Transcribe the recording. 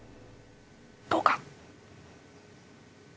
どうか！？